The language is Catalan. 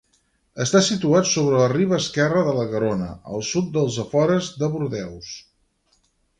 Està situat sobre la riba esquerra de la Garona al sud dels afores de Bordeus.